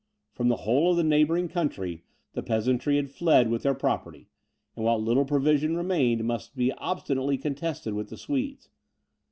From the whole of the neighbouring country, the peasantry had fled with their property; and what little provision remained, must be obstinately contested with the Swedes.